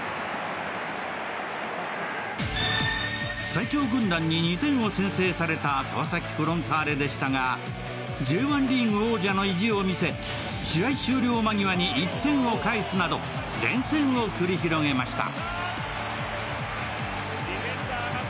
最強軍団に２点を先制された川崎フロンターレでしたがＪ１リーグ王者の意地を見せ、試合終了間際に１点を返すなど善戦を繰り広げました。